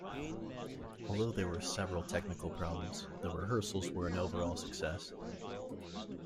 Although there were several technical problems, the rehearsals were an overall success.